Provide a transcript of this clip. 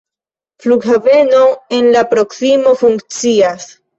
Flughaveno en la proksimo funkcias.